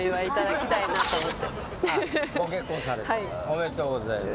ありがとうございます。